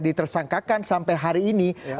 ditersangkakan sampai hari ini